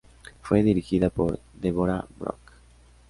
Fue dirigida por Deborah Brock.